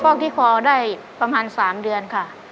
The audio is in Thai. อกที่คอได้ประมาณ๓เดือนค่ะ